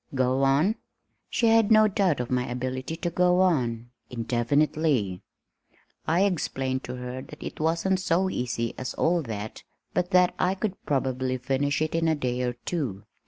Go on." She had no doubt of my ability to go on indefinitely! I explained to her that it wasn't so easy as all that, but that I could probably finish it in a day or two.